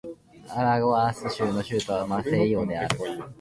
アラゴアス州の州都はマセイオである